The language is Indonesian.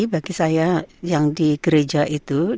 bagi saya yang di gereja itu